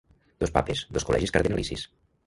Dos Papes, dos col·legis cardenalicis.